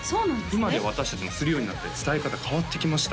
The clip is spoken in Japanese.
今では私達もするようになって伝え方変わってきました